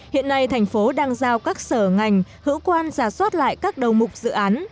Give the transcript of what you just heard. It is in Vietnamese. hiện nay thành phố đang giao các sở ngành hữu quan giả soát lại các đầu mục dự án